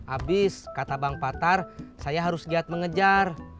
abis kata bang patar saya harus giat mengejar